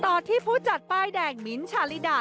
ที่ผู้จัดป้ายแดงมิ้นท์ชาลิดา